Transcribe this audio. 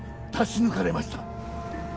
出し抜かれました。